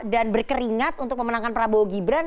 dan berkeringat untuk memenangkan prabowo gibran